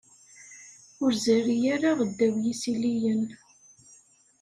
Ur zerri ara ddaw yisiliyen.